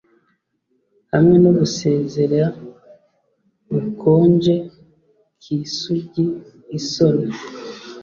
Hamwe no gusezera gukonje kisugi isoni